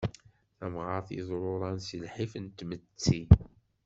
Tamɣart yeḍruran si lḥif n tmetti.